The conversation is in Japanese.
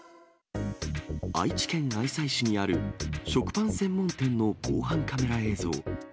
愛知県愛西市にある食パン専門店の防犯カメラ映像。